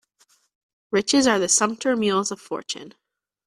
Riches are the sumpter mules of fortune